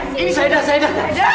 eh ini syeda syeda